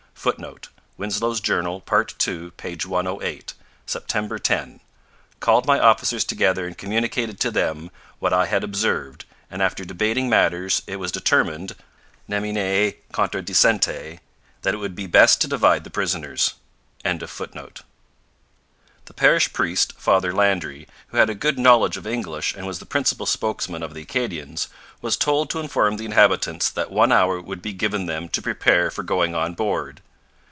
[Footnote: Winslow's Journal, part ii, p. 108. 'September 10. Called my officers together and communicated to them what I had observed, and after debating matters it was determined, 'nemine contradicente', that it would be best to divide the prisoners.'] The parish priest, Father Landry, who had a good knowledge of English and was the principal spokesman of the Acadians, was told to inform the inhabitants that one hour would be given them to prepare for going on board.